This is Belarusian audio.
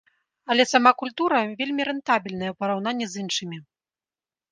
Але сама культура вельмі рэнтабельная ў параўнанні з іншымі.